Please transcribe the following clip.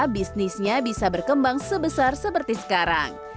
bisnisnya bisa berkembang sebesar seperti sekarang